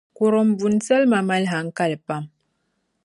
kurumbuni salima mali hankali pam